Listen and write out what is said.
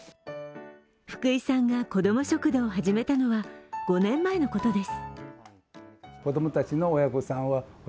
福井さんがこども食堂を始めたのは５年前のことです。